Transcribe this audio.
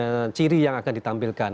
dengan ciri yang akan ditampilkan